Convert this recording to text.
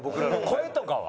声とかは？